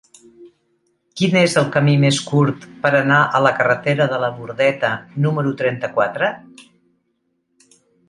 Quin és el camí més curt per anar a la carretera de la Bordeta número trenta-quatre?